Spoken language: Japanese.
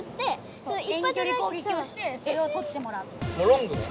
ロングね。